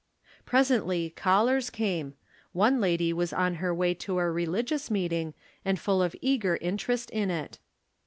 Presently caUers came ; one lady was on her w^y to a religious meeting, and full of eager in terest in it.